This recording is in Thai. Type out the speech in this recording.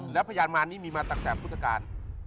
ระยะมันนี่มีมาตั้งแต่พุทธกาล